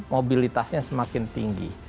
mobilitasnya semakin tinggi